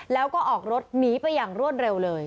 แล้วก็ออกรถหนีไปอย่างรวดเร็วเลย